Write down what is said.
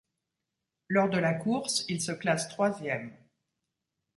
Lors de la course, il se classe troisième.